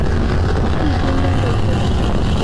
加量斯河岸站是码头区轻便铁路最东端的车站。